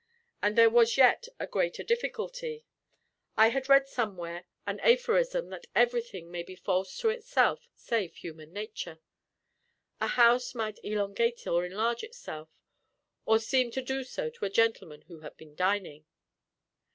And there was yet a greater difficulty. I had read somewhere an aphorism that everything may be false to itself save human nature. A house might elongate or enlarge itself or seem to do so to a gentleman who had been dining.